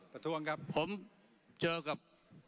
ผมเจอกับ